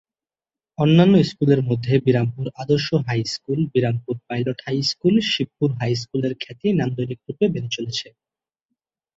অন্যান্য স্কুলের মধ্যে Birampur Adarsha high school, Birampur pilot high school, Shibpur high school এর খ্যাতি নান্দনিক রূপে বেড়ে চলেছে।